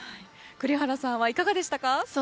栗原さんはいかがでしたか？